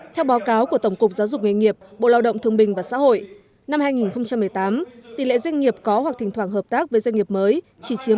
theo báo cáo của tổng cục giáo dục nghề nghiệp bộ lao động thương bình và xã hội năm hai nghìn một mươi tám tỷ lệ doanh nghiệp có hoặc thỉnh thoảng hợp tác với doanh nghiệp mới chỉ chiếm một mươi